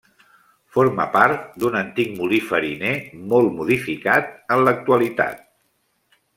Forma part d'un antic molí fariner, molt modificat en l'actualitat.